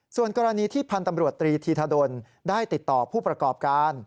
ส่วนกรณีที่พันธ์ตำรวจตรีธีธดลได้ติดต่อผู้ประกอบการ